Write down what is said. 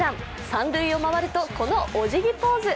三塁を回るとこのおじぎポーズ。